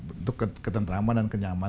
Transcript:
untuk ketentraman dan kenyamanan